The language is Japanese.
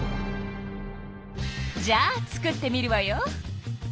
じゃあ作ってみるわよ。